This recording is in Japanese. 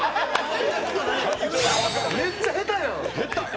めっちゃ下手やん。